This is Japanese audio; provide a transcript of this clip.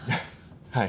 はい。